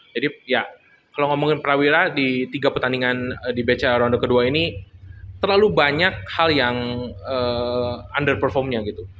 jadi ya kalo ngomongin prawira di tiga pertandingan di bca ronde kedua ini terlalu banyak hal yang underperformnya gitu